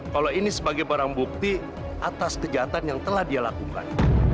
kalau ini sebagai barang bukti atas kejahatan yang telah dia lakukan